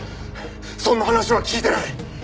そんな話は聞いてない！